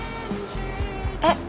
えっ？